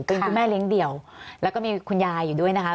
เป็นคุณแม่เลี้ยงเดี่ยวแล้วก็มีคุณยายอยู่ด้วยนะคะ